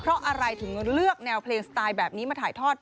เพราะอะไรถึงเลือกแนวเพลงสไตล์แบบนี้มาถ่ายทอด